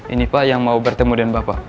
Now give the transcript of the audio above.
ini pak yang mau bertemu dengan bapak